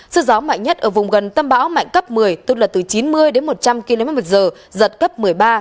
sự gió mạnh nhất ở vùng gần tâm bão mạnh cấp một mươi tức là từ chín mươi đến một trăm linh kmh giật cấp một mươi ba